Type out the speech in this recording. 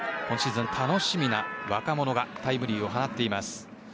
今シーズン楽しみな若者がタイムリーを放っています。